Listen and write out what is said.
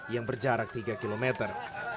yang berjarak tiga kilometer